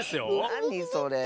なにそれ？